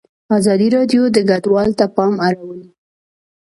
ازادي راډیو د کډوال ته پام اړولی.